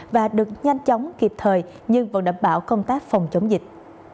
và được nhanh chóng kịp thời nhưng vẫn đảm bảo công tác phòng chống dịch